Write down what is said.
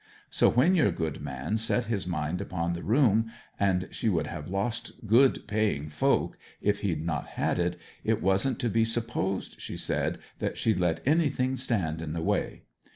So when your good man set his mind upon the room, and she would have lost good paying folk if he'd not had it, it wasn't to be supposed, she said, that she'd let anything stand in the way.